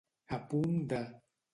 A punt de.